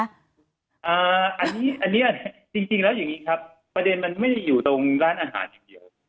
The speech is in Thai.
อันนี้จริงแล้วอย่างนี้ครับประเด็นมันไม่ได้อยู่ตรงร้านอาหารอย่างเดียว